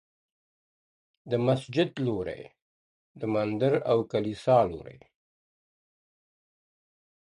د مسجد لوري، د مندر او کلیسا لوري,